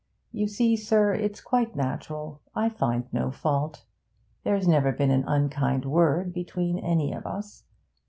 You see, sir! It's quite natural: I find no fault. There's never been an unkind word between any of us.